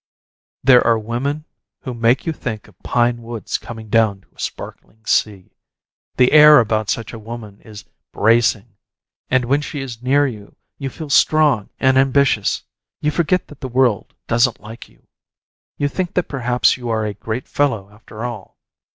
There are women who make you think of pine woods coming down to a sparkling sea. The air about such a woman is bracing, and when she is near you, you feel strong and ambitious; you forget that the world doesn't like you. You think that perhaps you are a great fellow, after all.